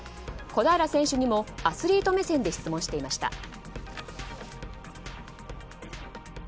小平選手にもアスリート目線で質問していました。